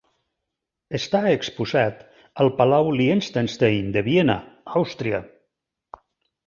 Està exposat al palau Liechtenstein de Viena, Àustria.